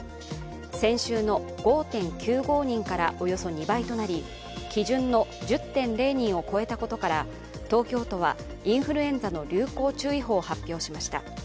先週の５．９５人からおよそ２倍となり基準の１０．０人を超えたことから東京都はインフルエンザの流行注意報を発表しました。